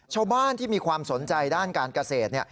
ชาวบ้านที่มีความสนใจด้านการเกษตร